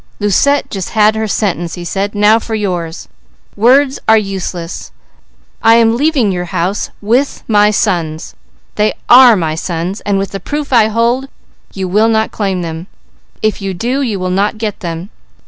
"Lucette just had her sentence," he said, "now for yours! Words are useless! I am leaving your house with my sons. They are my sons, and with the proof I hold, you will not claim them. If you do, you will not get them.